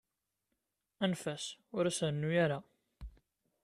Anef-as, ur as-rennu ara.